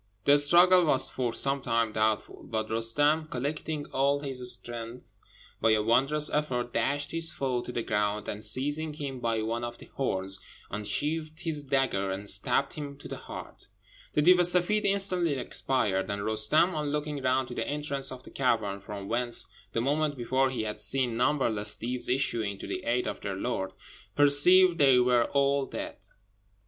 The struggle was for some time doubtful; but Roostem, collecting all his strength, by a wondrous effort dashed his foe to the ground, and seizing him by one of the horns, unsheathed his dagger and stabbed him to the heart. The Deev e Seffeed instantly expired; and Roostem, on looking round to the entrance of the cavern, from whence the moment before he had seen numberless Deevs issuing to the aid of their lord, perceived they were all dead.